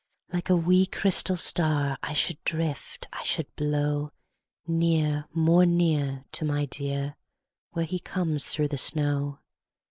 Like a wee, crystal star I should drift, I should blow Near, more near, To my dear Where he comes through the snow.